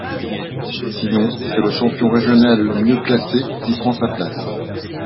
Sinon, c'est le champion régional le mieux classé qui prend sa place.